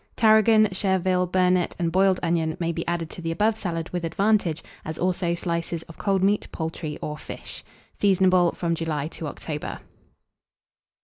Tarragon, chervil, burnet, and boiled onion, may be added to the above salad with advantage, as also slices of cold meat, poultry, or fish. Seasonable from July to October.